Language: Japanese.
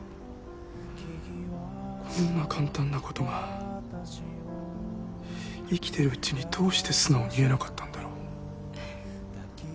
こんな簡単なことが生きてるうちにどうして素直に言えなかったんだろう。